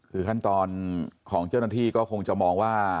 คือขั้นตอนของเจ้าหน้าที่ก็คงจะมองว่า